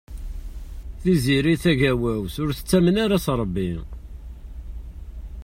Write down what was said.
Tiziri Tagawawt ur tettamen ara s Ṛebbi.